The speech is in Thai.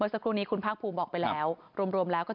ทางภูมิบอกไปแล้วรวมแล้วก็